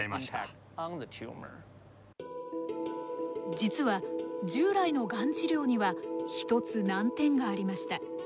実は従来のがん治療には一つ難点がありました。